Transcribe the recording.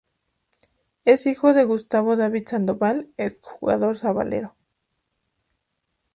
Es hijo de Gustavo David Sandoval ex jugador Sabalero.